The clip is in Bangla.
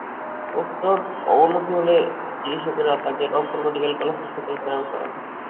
অবস্থার অবনতি হলে চিকিৎসকেরা তাঁকে রংপুর মেডিকেল কলেজ হাসপাতালে প্রেরণ করেন।